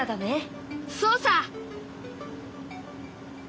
そうさ。